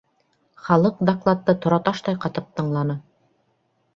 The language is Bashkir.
Халыҡ докладты тораташтай ҡатып тыңланы.